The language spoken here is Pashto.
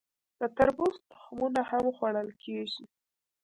د تربوز تخمونه هم خوړل کیږي.